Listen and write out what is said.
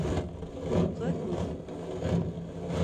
ҺУҢҒЫ ҺҮҘ